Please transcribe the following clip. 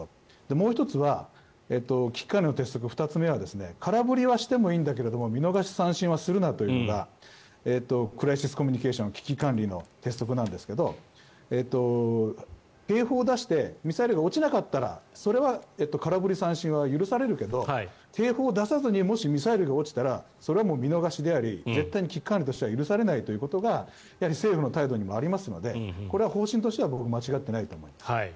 もう１つは危機管理の鉄則、２つ目は空振りはしてもいいんだけど見逃し三振はするなというのがクライシスコミュニケーション危機管理の鉄則なんですが警報を出してミサイルが落ちなかったらそれは空振り三振は許されるけど警報を出さずにもしミサイルが落ちたらそれはもう見逃しであり絶対に危機管理としては許されないということが政府の態度にもありますのでこれは方針としては間違っていないと思います。